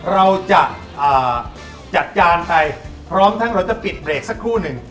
เราจะจัดการไปพร้อมทั้งเราจะปิดเบรกสักครู่หนึ่ง